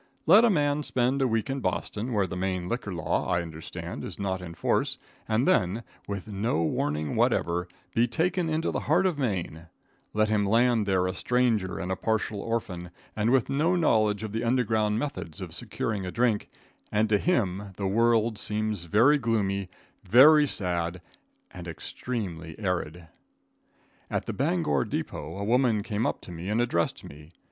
Let a man spend a week in Boston, where the Maine liquor law, I understand, is not in force, and then, with no warning whatever, be taken into the heart of Maine; let him land there a stranger and a partial orphan, with no knowledge of the underground methods of securing a drink, and to him the world seems very gloomy, very sad, and extremely arid. At the Bangor depot a woman came up to me and addressed me.